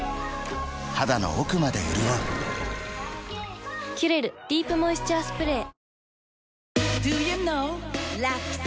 肌の奥まで潤う「キュレルディープモイスチャースプレー」Ｄｏｙｏｕｋｎｏｗラクサ？